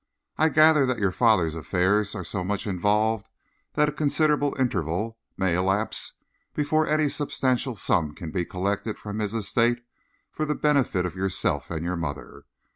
I gather that your father's affairs are so much involved that a considerable interval may elapse before any substantial sum can be collected from his estate for the benefit of yourself and your mother.